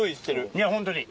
「いやホントに」。